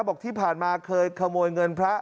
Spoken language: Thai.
บอกที่ผ่านมาเคยขโมยเงินพระ